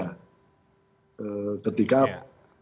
ketika memenuhi kondisi bencana